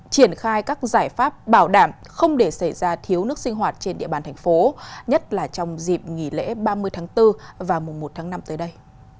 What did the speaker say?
triển khai các giải pháp bảo đảm không để xảy ra thiếu nước sinh hoạt trên địa bàn thành phố nhất là trong dịp nghỉ lễ ba mươi tháng bốn và mùa một tháng năm tới đây